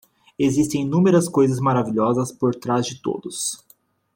Existem inúmeras coisas maravilhosas por trás de todos.